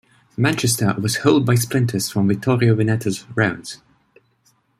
"Manchester" was holed by splinters from "Vittorio Veneto"'s rounds.